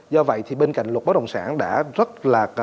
do vậy thì bên cạnh luật bất đồng sản đã rất là